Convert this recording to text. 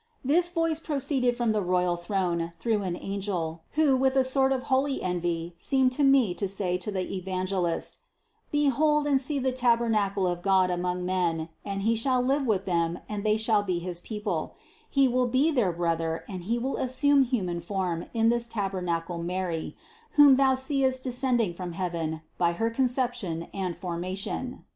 255. This voice proceeded from the royal throne through an angel, who with a sort of holy envy seemed to me to say to the Evangelist : Behold and see the tabernacle of God among men, and He shall live with them and they shall be his people ; He will be their Brother and He will assume human form in this tabernacle Mary, whom thou 208 CITY OF GOD seest descending from heaven, by her conception and for mation.